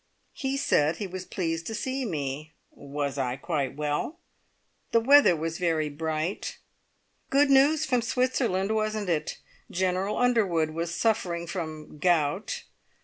He said he was pleased to see me. Was I quite well? The weather was very bright. Good news from Switzerland, wasn't it? General Underwood was suffering from gout.